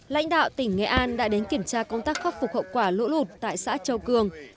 lãnh đạo tỉnh nghệ an đã đến kiểm tra công tác khắc phục hậu quả lũ lụt tại xã châu cường